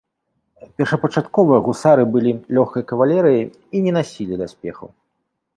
Першапачаткова гусары былі лёгкай кавалерыяй і не насілі даспехаў.